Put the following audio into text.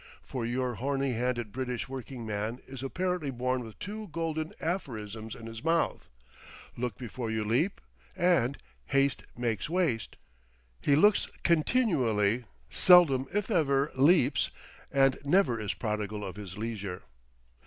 For your horny handed British working man is apparently born with two golden aphorisms in his mouth: "Look before you leap," and "Haste makes waste." He looks continually, seldom, if ever, leaps, and never is prodigal of his leisure.